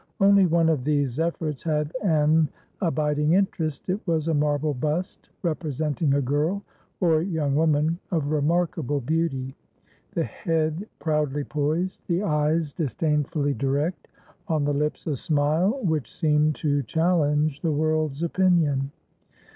Only one of these efforts had an abiding interest; it was a marble bust representing a girl, or young woman, of remarkable beauty, the head proudly poised, the eyes disdainfully direct, on the lips a smile which seemed to challenge the world's opinion.